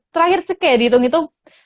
terakhir cek ya dihitung itu